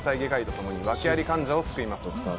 ともにワケあり患者を救います。